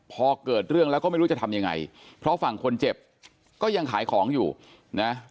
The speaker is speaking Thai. พอเกิดเรื่องแล้วก็ไม่รู้จะทำยังไงเพราะฝั่งคนเจ็บก็ยังขายของอยู่นะ